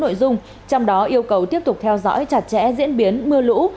các bộ ngành thực hiện một số nội dung trong đó yêu cầu tiếp tục theo dõi chặt chẽ diễn biến mưa lũ